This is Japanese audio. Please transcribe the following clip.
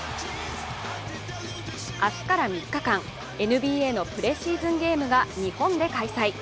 明日から３日間、ＮＢＡのプレシーズンゲームが日本で開催。